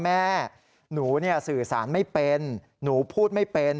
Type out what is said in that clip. แม่หนูสื่อสารไม่เป็นหนูพูดไม่เป็น